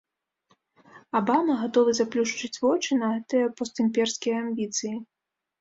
Абама гатовы заплюшчыць вочы на гэтыя постімперскія амбіцыі.